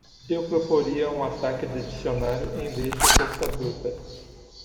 Eu proporia um ataque de dicionário em vez de força bruta.